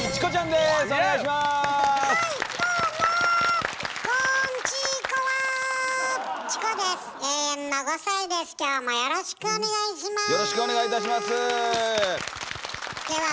ではよろしくお願いします。